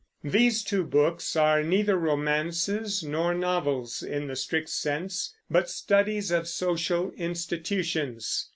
These two books are neither romances nor novels, in the strict sense, but studies of social institutions.